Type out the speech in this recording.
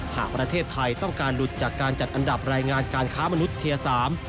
หากประเทศไทยต้องการหลุดจากการจัดอันดับรายงานการค้ามนุษย์เทียร์สาม